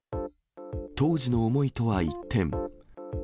当時の思いとは一転。